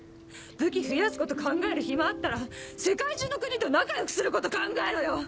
武器増やすこと考える暇あったら世界中の国と仲良くすること考えろよ！